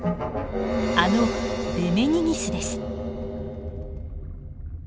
あのデメニギスです。